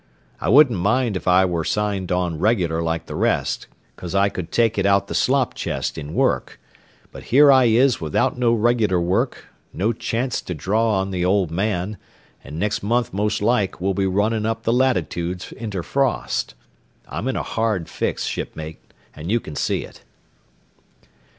I wouldn't mind if I ware signed on regular like the rest, 'cause I could take it out the slop chest in work. But here I is without no regular work, no chanst to draw on the old man, an' next month, most like, we'll be running up the latitoods inter frost. I'm in a hard fix, shipmate, an' you kin see it."